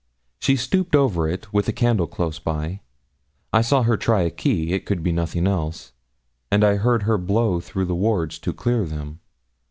She stooped over it, with the candle close by; I saw her try a key it could be nothing else and I heard her blow through the wards to clear them.